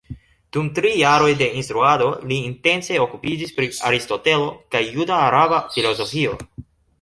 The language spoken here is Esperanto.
Dum tri jaroj de instruado li intense okupiĝis pri Aristotelo kaj juda-araba filozofio.